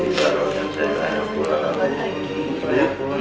sebaiknya jenazah pak yusof segera dimandikan